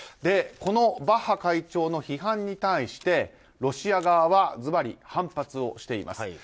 このバッハ会長の批判に対してロシア側はズバリ反発をしています。